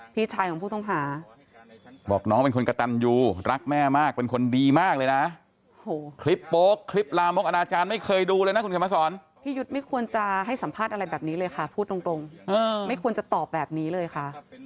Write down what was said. พี่ยุฏไม่ควรจะให้สัมภาษณ์อะไรแบบนี้เลยค่ะพูดตรงไม่ควรจะตอบแบบนี้เลยค่ะ